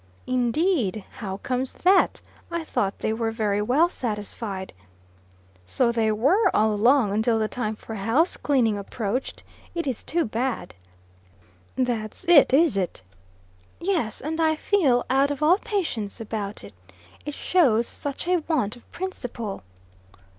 "Indeed! How comes that? I thought they were very well satisfied." "So they were, all along, until the time for house cleaning approached. It is too bad!" "That's it is it?" "Yes. And I feel out of all patience about it. It shows such a want of principle."